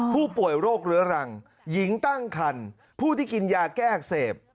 ผู้ป่วยโรคเรื้อรังหญิงตั้งคันผู้ที่กินยาแก้อักเสบ